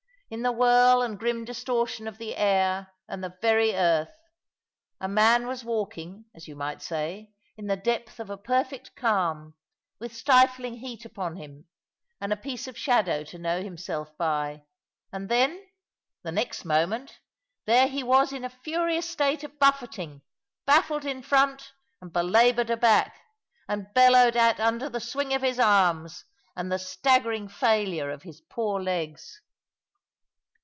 In the whirl and grim distortion of the air and the very earth, a man was walking (as you might say) in the depth of a perfect calm, with stifling heat upon him, and a piece of shadow to know himself by; and then, the next moment, there he was in a furious state of buffeting, baffled in front, and belaboured aback, and bellowed at under the swing of his arms, and the staggering failure of his poor legs.